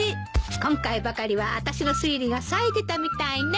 今回ばかりはあたしの推理がさえてたみたいね。